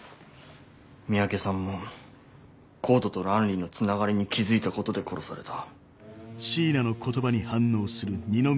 三宅さんもＣＯＤＥとランリーのつながりに気付いたことで殺された。